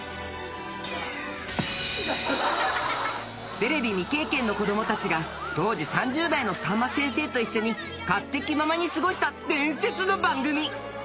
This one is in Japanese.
［テレビ未経験の子供たちが当時３０代のさんま先生と一緒に勝手気ままに過ごした］